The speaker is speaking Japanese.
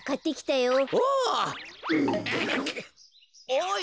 おい。